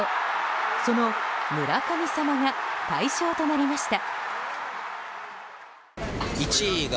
その村神様が大賞となりました。